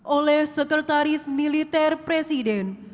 oleh sekretaris militer presiden